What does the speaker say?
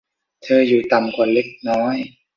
เธออยู่ต่ำกว่าเล็กน้อย